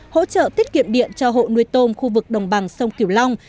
hỗ trợ tiết kiệm điện cho hộ nuôi tôm khu vực đồng bằng sông kiều long